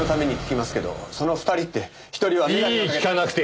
聞かなくて。